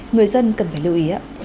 người dân cần phải lưu ý ạ